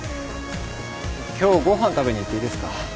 今日ご飯食べに行っていいですか？